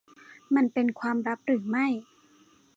มันเป็นความลับหรือไม่ ?